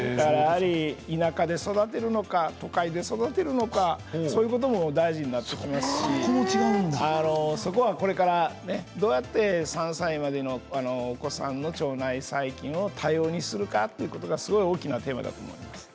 田舎で育てるのか都会で育てるのかも大事になってきますしこれからどうやって３歳までのお子さんの腸内細菌を多様にするかというのは大きなテーマだと思います。